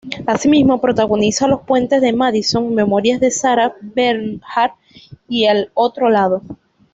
Asimismo protagoniza "Los puentes de Madison", "Memorias de Sarah Bernhardt" y "El otro lado".